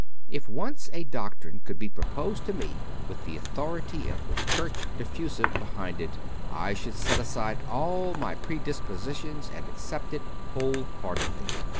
If once a doctrine could be proposed to me with the authority of the Church Diffusive behind it, I should set aside all my predispositions and accept it whole heartedly.